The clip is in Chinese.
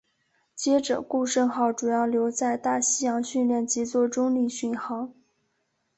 接着顾盛号主要留在大西洋训练及作中立巡航。